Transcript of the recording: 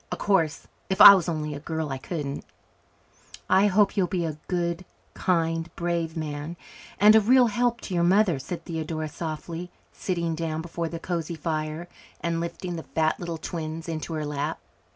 Of course if I was only a girl I couldn't." "I hope you'll be a good kind brave man and a real help to your mother," said Theodora softly, sitting down before the cosy fire and lifting the fat little twins into her lap.